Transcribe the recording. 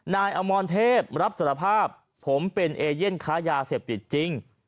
นายอมรเทพรับสารภาพผมเป็นเอเย่นค้ายาเสพติดจริง